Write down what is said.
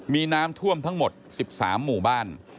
มีน้ำท่วมทั้งหมด๑๓หมู่บ้าน